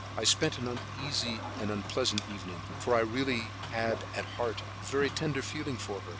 I spent an uneasy and unpleasant evening, for I really had at heart a very tender feeling for her.